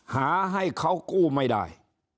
หาให้เขากู้ไม่ได้